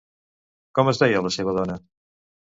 Com es deia la seva dona?